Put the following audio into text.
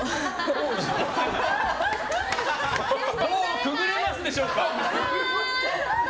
棒をくぐれますでしょうかって。